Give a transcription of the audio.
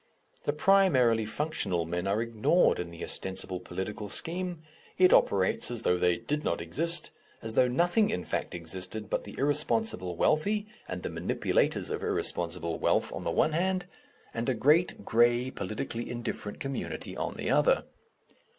The primarily functional men are ignored in the ostensible political scheme, it operates as though they did not exist, as though nothing, in fact, existed but the irresponsible wealthy, and the manipulators of irresponsible wealth, on the one hand, and a great, grey, politically indifferent community on the other.